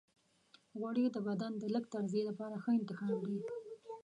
غوړې د بدن د لږ تغذیې لپاره ښه انتخاب دی.